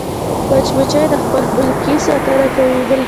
مچمچۍ د خپل ملکې ساتنه کوي